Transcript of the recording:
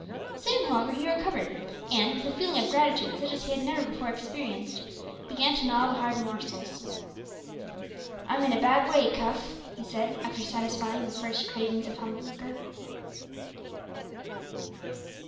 Soon, however, he recovered, and, with a feeling of gratitude such as he had never before experienced, began to gnaw the hard morsels. "I'm in a bad way, Cuff," he said, after satisfying the first cravings of hunger.